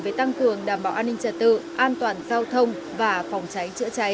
về tăng cường đảm bảo an ninh trật tự an toàn giao thông và phòng cháy chữa cháy